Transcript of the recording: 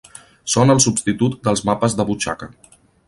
Són el substitut dels mapes de butxaca.